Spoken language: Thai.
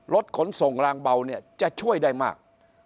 รถขนส่งลางเบาเนี่ยจะช่วยได้มาก